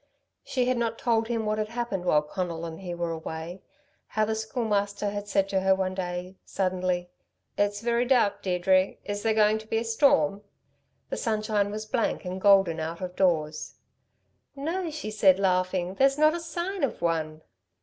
She had not told him what had happened while Conal and he were away how the Schoolmaster had said to her one day, suddenly: "It's very dark, Deirdre. Is there going to be a storm?" The sunshine was blank and golden out of doors. "No," she had said, laughing. "There's not a sign of one."